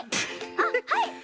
あっはい！